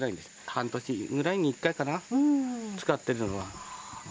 半年ぐらいに１回かな、使ってるのは。